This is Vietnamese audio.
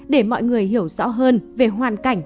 để mọi người hiểu rõ hơn về hoàn cảnh